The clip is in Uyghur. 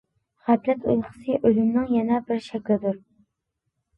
غەپلەت ئۇيقۇسى ئۆلۈمنىڭ يەنە بىر شەكلىدۇر.